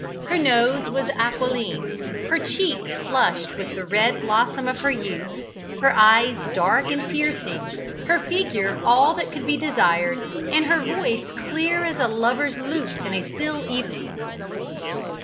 Her nose was aquiline, her cheeks flushed with the red blossom of youth, her eyes dark and piercing, her figure all that could be desired, and her voice clear as a lover's lute in a still evening.